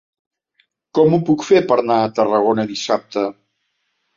Com ho puc fer per anar a Tarragona dissabte?